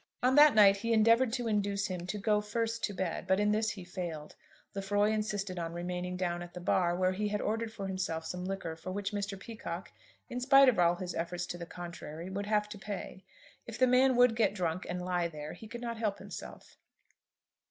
On that night he endeavoured to induce him to go first to bed, but in this he failed. Lefroy insisted on remaining down at the bar, where he had ordered for himself some liquor for which Mr. Peacocke, in spite of all his efforts to the contrary, would have to pay. If the man would get drunk and lie there, he could not help himself.